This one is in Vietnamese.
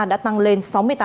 đã tăng lên sáu mươi tám